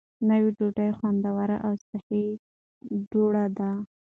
نوې ډوډۍ خوندوره او صحي دواړه ده.